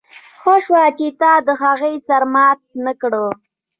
ښه شو چې تا د هغه سر مات نه کړ